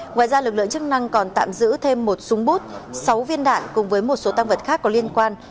ngoài ra lực lượng chức năng còn tạm giữ thêm một súng bút sáu viên đạn cùng với một số tăng vật khác có liên quan